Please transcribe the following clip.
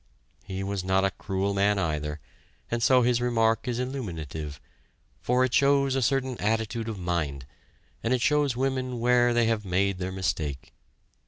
He was not a cruel man, either, and so his remark is illuminative, for it shows a certain attitude of mind, and it shows women where they have made their mistake.